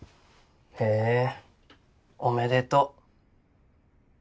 へえおめでとう。